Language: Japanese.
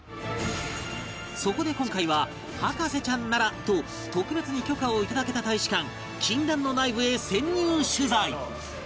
そこで今回は『博士ちゃん』ならと特別に許可をいただけた大使館禁断の内部へ潜入取材